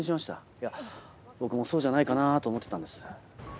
いや僕もそうじゃないかなと思ってたんです。